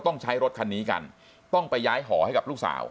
ต้องใช้รถคันนี้กันต้องไปย้ายหอให้กับลูกสาว